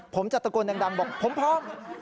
ผมจะตะโกนดังบอกผมพร้อม